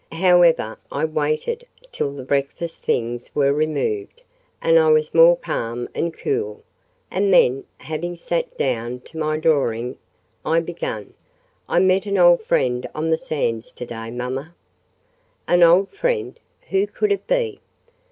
However, I waited till the breakfast things were removed, and I was more calm and cool; and then, having sat down to my drawing, I began—"I met an old friend on the sands to day, mamma." "An old friend! Who could it be?"